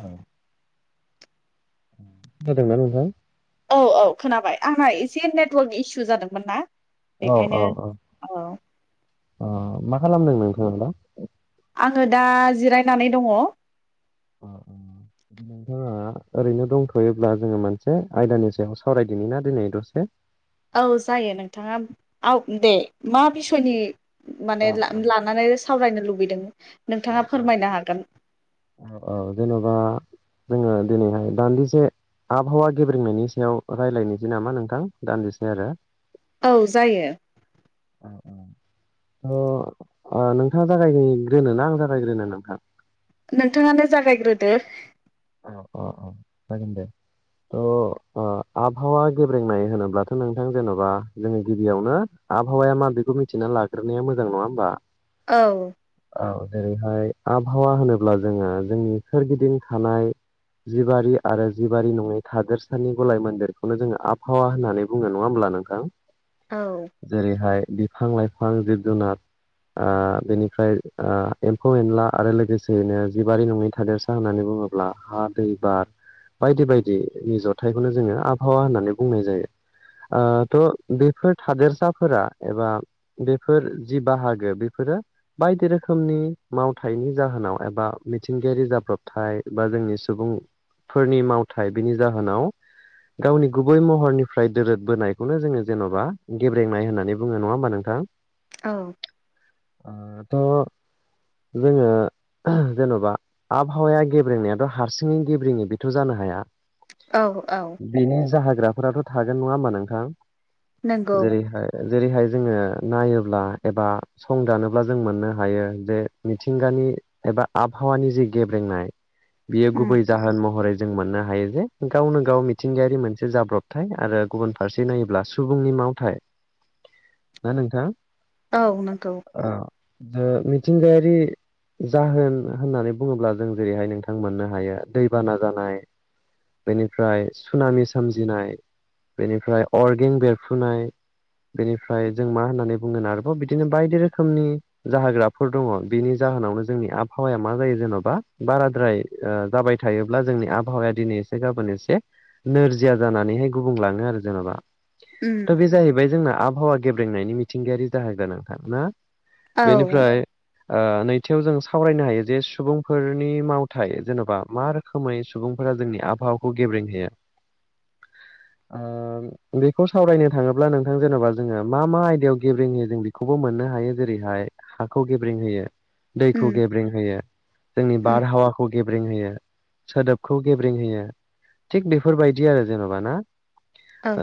औ खोनादोंना नोंथां? औ औ खोनाबाय आंना एसे नेटवर्क इसु जादोंमोन ना। औ बेखायनो औ औ औ मा खालामदों नोंथाङा दा? आङो दा जिरायनानै दङ। नोंथाङा ओरैनो दंथ'योब्ला जोङो मोनसे आयदानि सायाव सावरायदों ना दिनै दसे? औ जायो नोंथाङा औ दे मा बिसयनि माने अ लानानै सावरायनो लुबैदों अ नोंथाङा अ फोरमायनो हागोन। औ औ जेन'बा जोङो दिनैहाय दान्दिसे आबहावा गेब्रेंनायनि सायाव रायज्लायनोसै नामा नोंथां दान्दिसै आरो। औ जायो। औ औ। थ नोंथाङा जागायग्रोनो ना आं जागायग्रोनो नोंथां? नोंथाङानो जागायग्रोदो। अ अ अ जागोन दे। थ' आबहावा गेब्रेंनाय होनोब्लाथ' नोंथां जेन'बा जोङो गिबियावनो आबहावाया मा बेेखौ मिथिना लाग्रोनाया मोजां नङा होमबा? औ औ जेरैहाय आबहावा होनोब्ला जोङो जोंनि सोरगिदिं थानाय जिबारि आरो जिबारि नङै थादोरसानि गलाय मन्दिरखौनो जोङो आबहावा होननानै बुङोबा नङा होमब्ला नोंथां औ जेरैहाय बिफां लाइफां जिब जुनार बेनिफ्राय एम्फौ एनला आरो लोगोसेयैनो जिबारि नङै थादेरसा होननानै बुङोब्ला हा दै बार बायदि बायदिनि जथायाइखौनो जोङो आबहावा होननानै बुंनाय जायो थ' बेफोर थादेरसाफोरा एबा बेफोर जि बाहागो बेफोर बायदि रोखोमनि मावथायनि जाहोनाव एबा मिथिंगायारि जाब्रबथाय बा जोंनि सुबुंफोरनि मावथाय बिनि जाहोनाव गावनि गुबै महरनिफ्राय दोरद बोनायखौनो जोङो जेन'बा गेब्रेंनाय होननानै बुङो नङा होमबा नोंथां औ ाथ' जोङो जेन'बा आबहावाया नायाथ' हारसिङै गेब्रेङै बेथ' जानो हाया औ औ बेनि जोग्रा फोराथ' थागोन नङा होमबा नोंथां नंगौ जेरैहाय जेरैहाय जोङो नायोब्ला एबा सं दानोब्ला जों मोननो हायो जे मिथिंगानि एबा आबहावानि जे गेब्रेंनाय बियो उम गुबै जाहोन महरै जों मोननो हायो जे गावनो गाव मिथिंगायारि मोनसे जाब्रबथाय आरो गुबुन फारसे नायोब्ला सुबुंनि मावथाय ना नोंथां? औ नंगौ। ज मिथिंगायारि जाहोन होननानै बुङोब्ला जों जेरैहाय नोंथां मोननो हायो दैबाना जानाय, बेनिफ्राय सुनामि सोमजिनाय बेनिफ्राय अर्गें बेरफ्रुनाय। बेनिफ्राय जों मा होननानै बुंगोन आरोबाव बिदिनो बायदि रोखोमनि जाहोग्राफोर दङ। बिनि जा जाहोनावनो जोंनि आबहावाया मा जायो जेन'बा बाराद्राय ओ जाबाय थायोब्ला जोंनि आबहावाया दिनै एसे गाबोन एसे नोरजिया जानानै हे गुबुं लाङो आरो जेन'बा। उम थ' बे जाहैबाय जोंना आबहावा गेब्रेंनायनि मिथिंगायारि जाहोग्रा नोंथां ना? औ बेनिफ्राय ओ नैथियाव जों सावरायनो हायो जे सुबुंफोर नि मावथाइ जेन'बा मा रोखोमै सुबुंफोरा जोंनि आबहावाखौ गेब्रेंहोयो? [inaudible] ओ बेखौ सावरायनो थाङोब्ला नोंथां जेन'बा जोङो मा मा आयदायाव गेब्रेंहोयो जों बेखौबो मोन नो हायो, जेरैहाय हाखौ गेब्रेें होयो, उम दैखौ गेब्रें होयो, जोंनि उम बारहावाखौ गेब्रें होयो, सोदोबखौ गेब्रें होयो। थिग बेफोरबायदि आरो जेन'बा ना?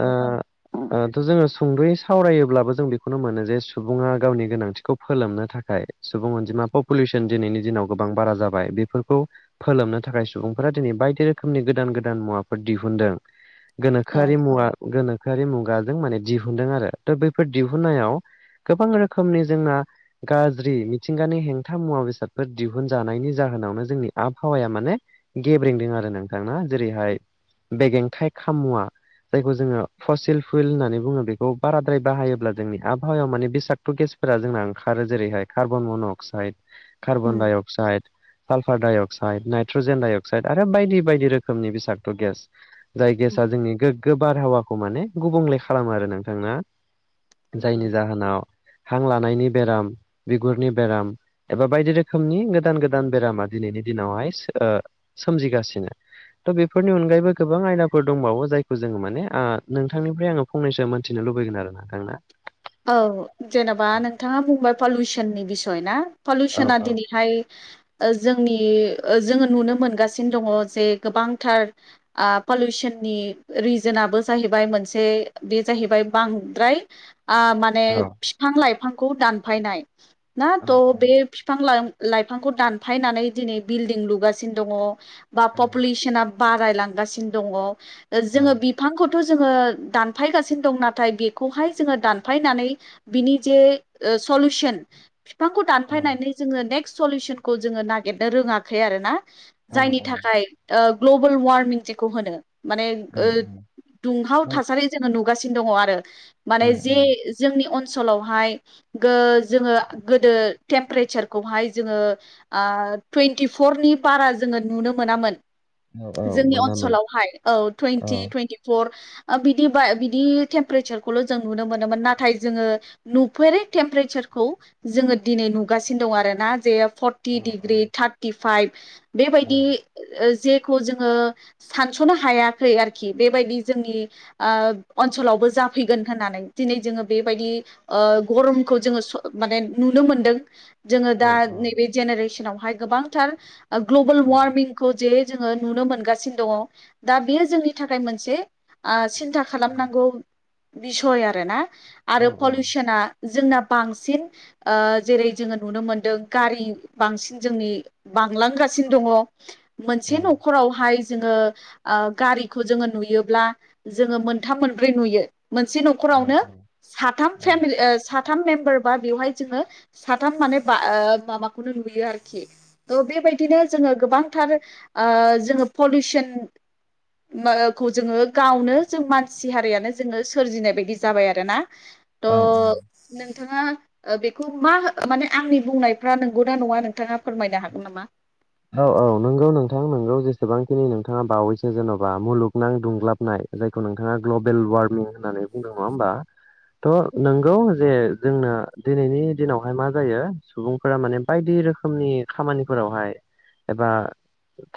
ओ ओ जोङो सुंद'यै सावरायोब्लाबो जों बेखौनो मोनो जे सुबुङा गावनि गोनांथिखौ फोलोमनो थाखाय सुबुं अनजिमा पपुलेसन दिनैनि दिनाव गोबां बारा जाबाय बेफोरखौ फोलोमनो थाखाय सुबुंफोरा दिनै बायदि रोखोमनि गोदान गोदान मुवाफोर दिहुनदों। औ गोनोखोआरि मुवा गोनोखोआरि मु गाजों माने दिहुनदों आरो त' बैफोर दिहुननायाव गोबां रोखोमनि जोंना गाज्रि मिथिंगानि हेंथा मुवा बेसादफोर दिहु हुनजानायनि जाहोनावनो जोंनि आबहावाया माने गेब्रेंदों आरो नोंथां ना? जेरैहाय बेगेंथाइ खाममुवा। जायखौ जोङो फसिल फुइल होननानै बुङो। बेखौ बाराद्राय बाहायोब्ला जोंनि आबहावायाव माने बेसात' गेस फोरा जोंना ओंखारो जेरैहाय carbon monoxide um carbon डाइअ [inaudible] sulphur dioxide, nitrogen dioxide आरो बायदि बायदि रोखोमनि बिसागत' गेस। जाय गेसआ जोंनि गोग्गो बारहावाखौ माने गुबुंले खालामो आरो नोंथांना? उम जायनि जाहोनाव हां लानायनि बेराम, बिगुरनि बेराम एबा बायदि रोखोमनि गो दान गोदान बेरामा दिनैनि दिनावहाय ओ सोमजिगासिनो। त' बेफोरनि अनगायैबो गोबां आयदाफोर दंबावो जायखौ जोङो माने आ नोंथांनिफ्राय आङो फंनैसो मोन्थिनो लु लुबैगोन आरो नोंथां ना? औ जेनेबा औ नोंथाङा बुंबाय पलिउसननि बिसय ना? औ पलिउसना औ दिनैहाय ओ जोंनि ओ जोङो नुनो मोनगासिनो दङ जे गोबांथार आ पलिउसन नि रिजोनाबो जाहैबाय मोनसे बे जाहैबाय बांद्राय आ माने औ फिफां लाइफांखौ दानफायनाय। ना त' बे फिफां लां लाइफांखौ दानफायनानै दिनै बिल्डिं लुगासिनो दङ बा पपुलेसना बारायलांगासिनो दङ। औ जोङो बिफांखौ थ' जोङो दानफायगासिनो दं नाथाय बेखौहाय जोङो दान फायनानै बिनि जे सलुसन बिफांखौ दानफायनानै जोङो नेक्स्ट सलिउसनखौ जोङो नागिरनो रोङाखै आरो ना। औ जायनि औ थाखाय ओ ग्लबोल वार्मिं जेखौ होनो। माने ओ दुंहाव थासारि जोङो नु गासिनो दङ आरो माने जे जोंनि अनस'लावहाय गो जोङो गोदो टेमप्रेचारखौहाय जोङो ओ टुइन्टिफरनि बारा जोङो नुनो मोनामोन। औ औ जोंनि मोनामोन अनसलावहाय औ औ टुइन्टि टुइन्टिफर ओ बिदि बा बिदि टेम्पारेसारखौल' जों नुनो मोनोमोन नाथाय जोङो नुफेरै टेमपारेसारखौ जोङो दिनै नुगासिनो दं आरोना। [unintelligible] फरति औ औ दिग्रि थारतिभायब बेबायदि औ ओ ज जेखौ जोङो सानस'नो हायाखै आरोखि बेबायदि जोंनि ओनसोलाव बो जाफैगोन होननानै दिनै जोङो बेबायदि ओ गरमखौ जोङो स माने नुनो मोनदों। जोङो दा नैबे जेनेरेसनावहाय गोबांथार ग्लबेल औ वार्मिंखौ जे जोङो नुनो मोनगासिनो दङ। दा बेयो जोंनि थाखाय मोनसे आ सिन्था खालामनांगौ बिसय आरोना आरो औ औ पलिउसना जोंना बांसिन जेरै जोंङो नुनो मोनदों गारि बांसिन जोंनि बांलांगासिनो औ दंङ जोंङो ओ औ [unintelligible] साथाम मेम्बार बा बेवहाय जोंङो साथाम माने माबाखौनो नुयो आरोखि थ बे बेबायदिनो जोंङो गोबांथार जोंङो पलिउसन खौ जोंङो गावनो जों मानसि हारियानो जोंङो सोरजिनाय बायदि जाबाय आरोना औ औ थ' नोंथाङा बेखौ मा माने आंनि बुंनायफ्रा नंगौना नङा नोंथाङा फोरमायनो हागोन नामा औ औ नंगौ नोंथां नों जेसेबांखिनि नोंथाङा बावैसो जेनबा मुलुनां दुंग्लाबनाय जायखौ नोंथाङा ग्लबेल वार्मिं होननानै बुंदों नङा होमबा थ' नोंगौ जे जोंनो दिनैनि दिनावहाय मा जायो सुबुंफोरा माने बायदि रोखोमनि खामानिफोरावहाय एबा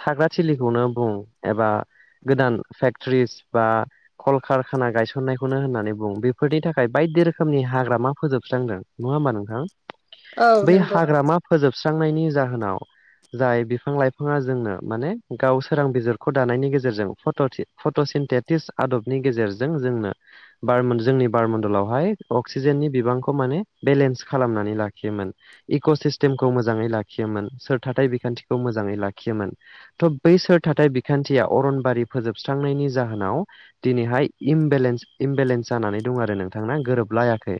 थाग्रा थिलिखौनो बुं एबा गोदान फेक्ट्रिस बा कलक खाना गायसननायखौनो होननानै बुं बेफोरनि थाखाय बायदि रोखोमनि हाग्रामा फोजोबस्रांदों नङा होमबा नोंथां औ बै नंगौ हाग्रामा फोजोबस्रांनायनि जाहोनाव जाय बिफां लाइफाङा जोंनो माने गाव सोरां बिजिरखौ दानायनि गेजेरजोंट फटसिन आदबनि गेजेरजों जोंनो जोंनि बारमण्डलावहाय अक्सिजेननि बिबां खौ माने खालामनानै लाखियोन इक सिस्टेमखौ मोजाङै लाखियोमोन थाथाय बिखान्थिखौ मोजांङै लाखियोमोन थ‌ बै सोर थाथाय बिखान्थिया अरनबारि फोजोबस्रांनायनि नि जाहोनाव दिनैहाय इमबेलेन्स जानानै दं आरो नोंथां गोरोबलायाखै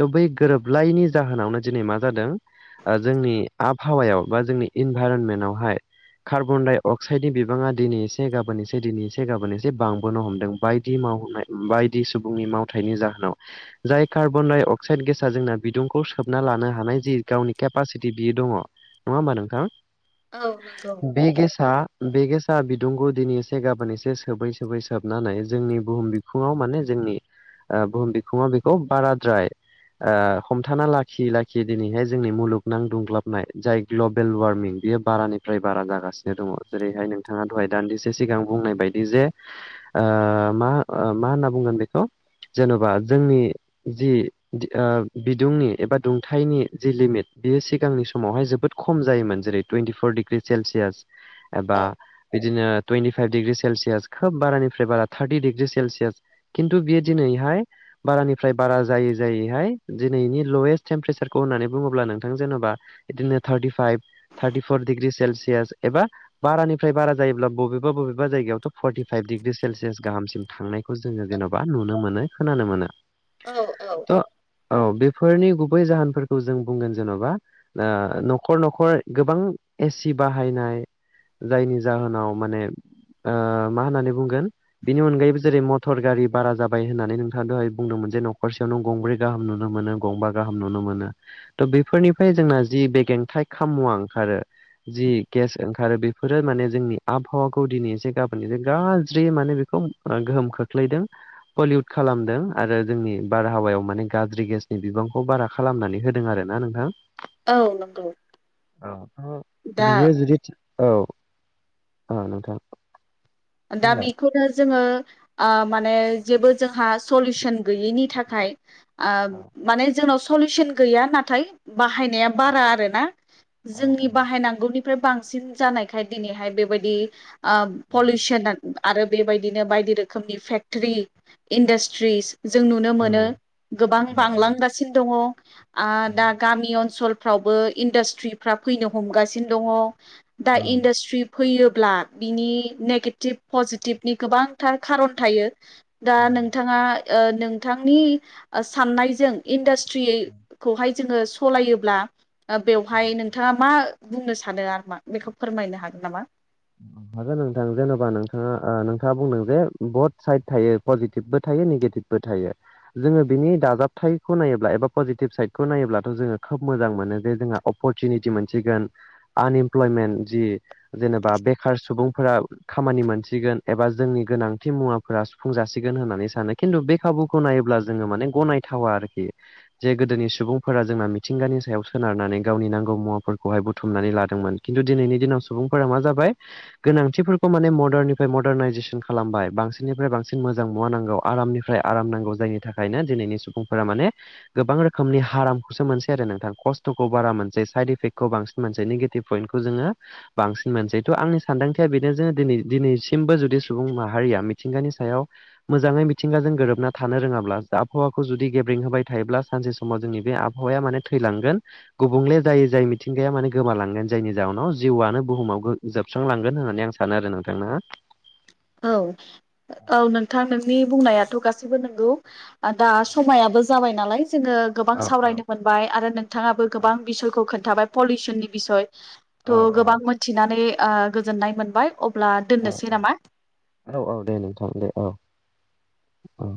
थ बै गोरोबलायनि जाहोनावनो दिनै मा जादों जोंनि आबहावायाव बा जोंनि इनभाइरनमेन्टवहाय कार्बन दडाइ अक्साइडनि बिबांङा दिनै एसे गाबोन एसे दिनै एसे गाबोन एसे बांबोनो हमदों बायदि बायदि सुबुंनि मावथायनि जाहोनाव जाय कार्बन डाइ अक्साइड गेसा जोंना बिदुंखौ सोबना लानो हानाय जि गावनि केपासिटि बियो दंङ नङा होमबा नोंथां औ नंगौ बे गेस आ बेगेसा बिदुंखौ दिनै एसे गाबोन एसे सोबै सोबै सोबनानै जोंनि बुहुम बिखुङाव माने जोंनि बुहुम बिखुंङा बेखौ बाराद्राय हमथाना लाखियै लाखियै दिनैहाय जोंनि मुलुगनां दुंग्लाबनाय जाय ग्लबेल वार्मिं बियो बारानिफ्राय बारा जागासिनो दंङ जेरैहाय नोंथाङा दहाय दान्दिसे सिगां बुंनाय बायदि जे ओ मा मा होनना बुंगोन बेखौ जेन'बा जोंनि जि बिदुंनि एबा दुंथायनि जि लिमिट बियो सिगांनि समावहाय जोबोद खम जायोमोन जेरै टुइन्टिफर डिग्रि सेलसियास औ एबा बिदिनो तुइनथि थु खोब बारानिफ्राय बारा थार्टि डग्रि सेलसियास खिन्थु बियो दिनैहाय बारानिफ्राय बारा जायै जायैहाय दिनैनि लवेस्ट टेम्पारेसारखौ होननानै बुंङोब्ला नोंथां जेनेबा बिदिनो thirty five thirty four degree Celsius एबा बारानिफ्राय बारा जायोब्ला बबेबा बबेबा जायगायावथ' फर्टिफाइभ डिग्रि सेलसियास गाहामसिम थांनायखौ जोंङो जेन'बा नुनो मोनो खोनानो मोनो औ औ थ' औ बेफोरनि गुबै जाहोनफोरखौ जों बुंगोन जेनबा ओ नखर नखर गोबां एसि बाहायनाय जायनि जाहोनाव माने ओ मा होननानै बुंगोन बिनि अनगायैबो जेरै मटर गारि बारा जाबाय होननानै नोंथाङा दहाय बुंदोंमोन जे नखरसेयाव नों गंब्रै गाहाम नुनो मोनो गंबा गाहाम नुनो मोनो थ बेफोरनिफ्राय जोंना जि बे गेंथायाइ खामुवा ओंखारो जि केेस ओंखारो बेफोरो माने जोंनि आबहावाखौ दिनै एसे गाबोन एसे गा ज्रि माने बेखौ गोहोम खोख्लैदों पलिउट खालामदों आरो जोंनि बारहावायाव माने गाज्रि गेसनि बिबांखौ बारा खालामनानै होदों आरोना नोंथां। औ नंगौ। औ दा बियो जुदि औ औ नोंथां। दा बुंलाय बिखौनो जोङो ओ माने जेबो जोंहा सलिउसन गैयैनि थाखाय ओ औ माने जोंनाव सलिउसन गैया नाथाय बाहायनाया बारा आरो ना। औ जोंनि औ बाहायनांगौनिफ्राय बांसिन जानायखाय दिनैहाय बेबायदि आ पलि आरो बेबायदिनो बायदि रोखोमनि फेक्टरि इन्डास्ट्रिस जों नुनो मोनो औ गोबां औ बांलांगासिनो दङ आ औ दा गामि ओनसोल फ्रा आवबो इन्डास्ट्रिफ्रा फैनो हमगासिनो दङ औ दा इन्डास्ट्रि फैयो ब्ला बिनि नेगेटिभ पजिटिभनि गोबांथार खारन थायो। दा नोंथाङा ओ नोंथांनि साननायजों इन्डास ट्रिखौहाय जोङो सालायोब्ला बेवहाय नोंथाङा मा बुंनो सानो आरो मा बेखौ फोरमायनो हागोन नामा? हागोन नोंथां जेनेबा नोंथाङा नोंथाङा बुंदों जे बहुत साइद थायो पजिटिभबो था यो नेगेटिभबो थायो जोङो बिनि दाजाबथायखौ नायोब्ला एबा पजिटिभ साइडखौ नायोब्लाथ' जोङो खा खोब मोजां मोनो जे जोंहा अपरसुनिटि मोनसिगोन आनइमप्लयमेन्ट जि बा बेखार सुबुं फोरा खामानि मोनसिगोन एबा जोंनि गोनांथि मुवाफोरा सुफुं जासिगोन होननानै सानो खिन्थु बे खा बुखौ नायोब्ला जोङो माने गनायथावा आरोखि जे गोदोनि सुबुंफोरा जोंना मिथिंगानि सायाव सोनार नानै गावनि नांगौ मुवाफोरखौहाय बुथुमनानै लादोंमोन खिन्थु दिनैनि दिनाव सुबुंफोरा मा जा बाय गोनांथिफोरखौ माने मडार्ननिफ्राय मडार्नाइजेसन खालामबाय बांसिननिफ्राय बांसिन मोजां मुवा नांगौ। आरामनिफ्राय आराम नांगौ जायनि थाखायनो दिनैनि सुबुंफोरा माने गोबां रोखोमनि हारामुदसो मोनसे दो नोंथां। खस्थ'खौ बारा मोनसे साइड इफेक्ट खौ बांसिन मोनसे नेगेटिभ पइन्टखौ जोङो बांसिन मोनसै। थ' आंनि सानदांथिया बेनो जो दिनै दिनैसिमबो जुदि सुबुं माहारिया मिथिंगानि सायाव मोजाङै मिथिंगाजों गोरोबना थानो रोङाब्ला आबहावाखौ जुदि गेब्रें होबाय थायोब्ला सानसे समाव जोंनि बे आबहावाया माने थैलांगोन गुबुंले जाय जाय मिथिंगाया माने गोमालांगोन जायनि जाउनाव जिउआनो बुहुमाव जोबस्रांलांगोन होननानै आं सानो आरो नोंथां ना। औ औ नोंथां नोंनि बुंनायाथ' गाससिबो नोंगौ दा समायाबो जाबाय नालाय जोङो गोबां सावरायनो मोनबाय आरो नोंथाङाबो गोबां बिसयखौ खोन्थाबाय पलिउसननि बिसय थ' गोबां मोनथिनानै ओ गोजोननाय मोनबाय अब्ला दोननोसै नामा? औ औ दे नोंथां दे औ औ